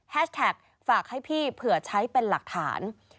แท็กฝากให้พี่เผื่อใช้เป็นหลักฐาน